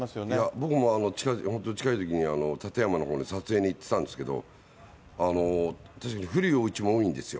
僕も、近いときに、館山のほうに撮影に行ってたんですけれども、確かに古いおうちが多いんですよ。